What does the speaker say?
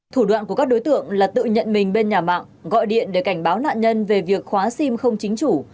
thủ đoạn của các đối tượng là tự nhận mình bên nhà mạng gọi điện để cảnh báo nạn nhân về việc khóa sim không chính chủ